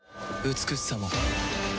美しさも